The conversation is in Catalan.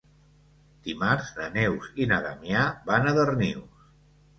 Dimarts na Neus i na Damià van a Darnius.